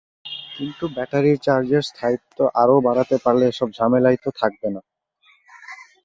কিন্তু ব্যাটারির চার্জের স্থায়িত্ব আরও বাড়াতে পারলে এসব ঝামেলাই তো থাকবে না।